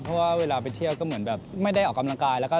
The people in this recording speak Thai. เพราะว่าเวลาไปเที่ยวก็เหมือนแบบไม่ได้ออกกำลังกายแล้วก็